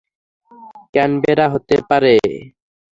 Canberra হতে পারে।